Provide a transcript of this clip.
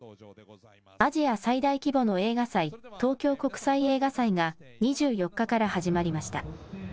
アジア最大規模の映画祭、東京国際映画祭が、２４日から始まりました。